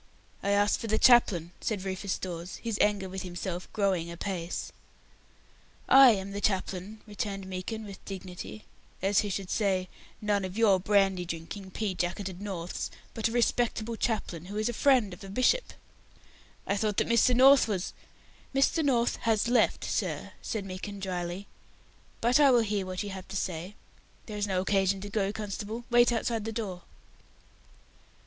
"I asked for the chaplain," said Rufus Dawes, his anger with himself growing apace. "I am the chaplain," returned Meekin, with dignity, as who should say "none of your brandy drinking, pea jacketed Norths, but a Respectable chaplain who is the friend of a Bishop!" "I thought that Mr. North was " "Mr. North has left, sir," said Meekin, dryly, "but I will hear what you have to say. There is no occasion to go, constable; wait outside the door."